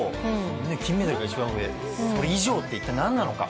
金メダルが一番上、それ以上とは一体何なのか。